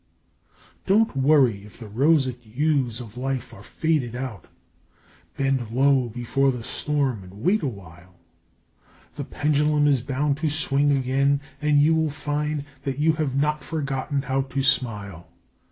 Don't worry if the roseate hues of life are faded out, Bend low before the storm and wait awhile. The pendulum is bound to swing again and you will find That you have not forgotten how to smile.